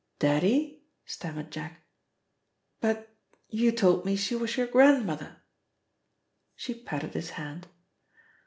"Daddy?" stammered Jack. "But you told me she was your grandmother." She patted his hand.